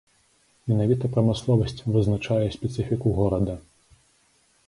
Менавіта прамысловасць вызначае спецыфіку горада.